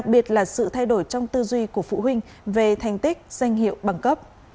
và sự thay đổi trong tư duy của phụ huynh về thành tích danh hiệu bằng cấp